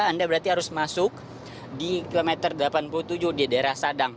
anda berarti harus masuk di kilometer delapan puluh tujuh di daerah sadang